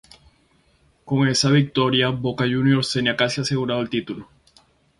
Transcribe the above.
Con esa victoria Boca Juniors tenía casi asegurado el título.